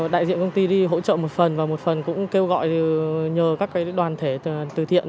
đại diện công ty hỗ trợ một phần và một phần cũng kêu gọi nhờ các đoàn thể từ thiện